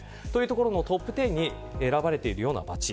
というところのトップ１０に選ばれているような町。